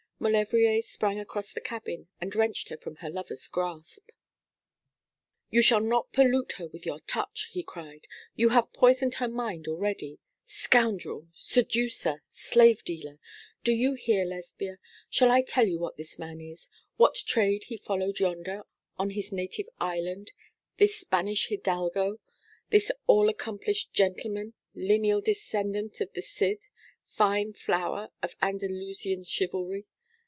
Maulevrier sprang across the cabin and wrenched her from her lover's grasp. 'You shall not pollute her with your touch,' he cried; 'you have poisoned her mind already. Scoundrel, seducer, slave dealer! Do you hear, Lesbia? Shall I tell you what this man is what trade he followed yonder, on his native island this Spanish hidalgo this all accomplished gentleman lineal descendant of the Cid fine flower of Andalusian chivalry?